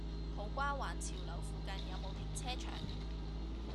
土瓜灣潮樓附近有無停車場？